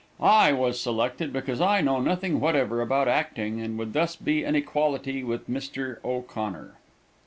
I was selected because I know nothing whatever about acting and would thus be on an equality with Mr. O'Connor.